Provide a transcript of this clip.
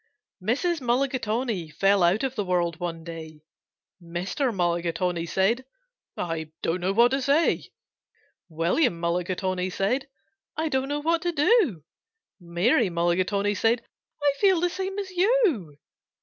Mrs. Mulligatawny fell out of the world one day. Mr. Mulligatawny said, "I don't know what to say." William Mulligatawny said, "I don't know what to do." Mary Mulligatawny said, "I feel the same as you."